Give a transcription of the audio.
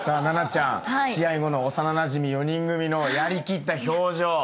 奈々ちゃん試合後の幼なじみ４人組のやりきった表情。